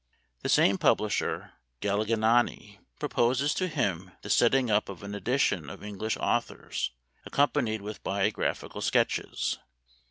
The same publisher, Galignani, pro poses to him the getting up of an edition of English authors, accompanied with biographical sketches.